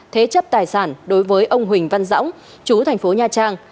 thế chấp tài sản đối với ông huỳnh văn dõng chú thành phố nha trang